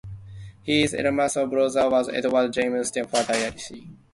His elder brother was Edward James Stephen Dicey.